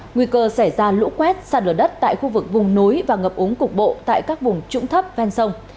nguy cơ xảy ra lũ quét xa lửa đất tại khu vực vùng núi và ngập úng cục bộ tại các vùng trũng thấp ven sông